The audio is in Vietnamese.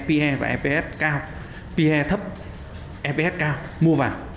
pe và eps cao pe thấp eps cao mua vào